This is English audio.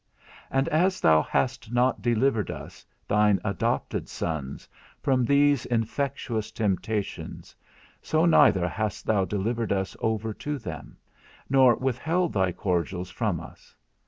And as thou hast not delivered us, thine adopted sons, from these infectious temptations, so neither hast thou delivered us over to them, nor withheld thy cordials from us.